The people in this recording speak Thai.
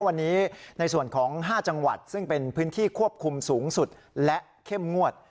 วันนี้ในส่วนของ๕จังหวัดซึ่งเป็นพื้นที่ควบคุมสูงสุดและเข้มงวด